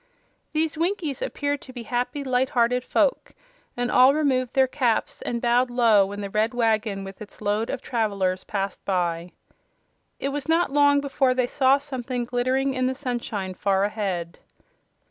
These Winkies appeared to be happy, light hearted folk, and all removed their caps and bowed low when the red wagon with its load of travelers passed by. It was not long before they saw something glittering in the sunshine far ahead.